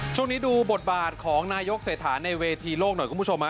ช่วงนี้ดูบทบาทของนายกเศรษฐาในเวทีโลกหน่อยคุณผู้ชม